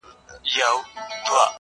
o له هنداري څه بېــخاره دى لوېـــدلى.